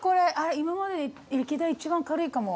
今までで歴代一番軽いかも。